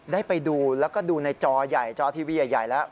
ได้ไปดูแล้วก็ดูในจอใหญ่จอทีวีใหญ่แล้ว